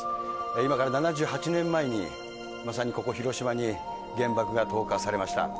今から７８年前に、まさにここ広島に原爆が投下されました。